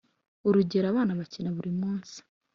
Urugero: – Abana bakina buri munsi.